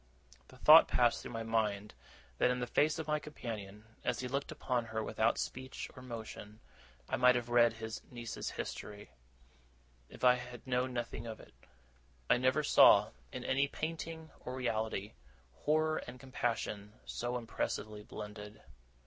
The thought passed through my mind that in the face of my companion, as he looked upon her without speech or motion, I might have read his niece's history, if I had known nothing of it. I never saw, in any painting or reality, horror and compassion so impressively blended.